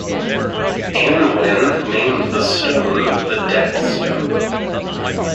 Anwen named the stone the Death Stone.